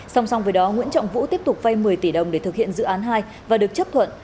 song song với đó nguyễn trọng vũ tiếp tục vây một mươi tỷ đồng để thực hiện dự án hai và được chấp thuận